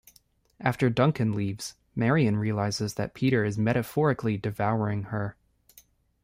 After Duncan leaves, Marian realizes that Peter is metaphorically devouring her.